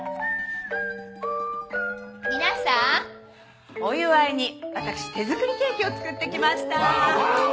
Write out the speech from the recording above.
皆さんお祝いに私手作りケーキを作ってきました。